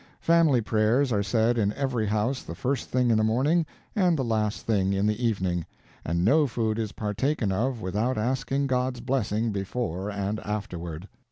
Family prayers are said in every house the first thing in the morning and the last thing in the evening, and no food is partaken of without asking God's blessing before and afterward.